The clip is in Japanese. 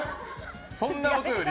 そんなことより。